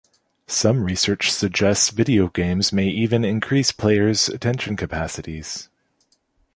Some research suggests video games may even increase players' attention capacities.